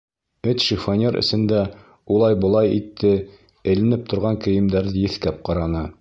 Эт шифоньер эсендә улай-былай итте, эленеп торған кейемдәрҙе еҫкәп ҡараны.